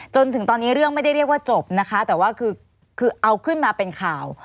จนถึงตอนนี้เรื่องไม่ได้เรียกว่าจบนะคะแต่ว่าคือเอาขึ้นมาเป็นข่าว